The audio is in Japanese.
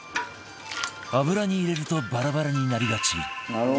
油に入れるとバラバラになりがち